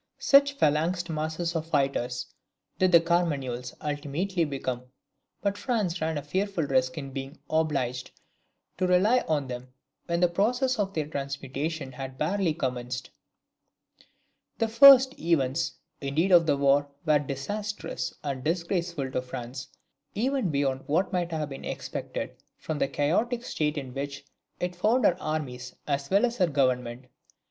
Such phalanxed masses of fighters did the Carmagnoles ultimately become; but France ran a fearful risk in being obliged to rely on them when the process of their transmutation had barely commenced. The first events, indeed, of the war were disastrous and disgraceful to France, even beyond what might have been expected from the chaotic state in which it found her armies as well as her government.